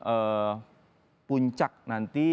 setelah momen puncak nanti